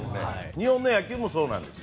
日本の野球もそうなんです。